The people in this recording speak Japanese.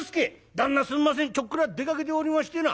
「旦那すんませんちょっくら出かけておりましてな」。